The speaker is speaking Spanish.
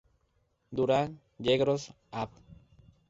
Durán, Yegros, Av.